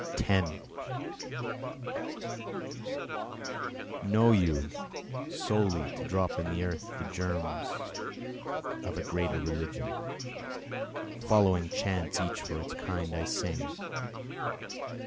10 Know you, solely to drop in the earth the germs of a greater religion, The following chants each for its kind I sing.